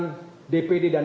dpd dan dpc pemegang